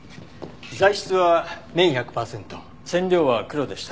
材質は綿１００パーセント染料は黒でした。